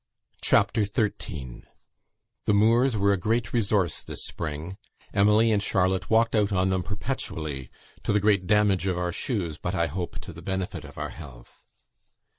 CHAPTER XIII The moors were a great resource this spring; Emily and Charlotte walked out on them perpetually, "to the great damage of our shoes, but I hope, to the benefit of our health."